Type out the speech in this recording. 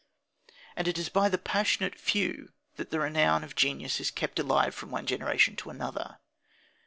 And it is by the passionate few that the renown of genius is kept alive from one generation to another.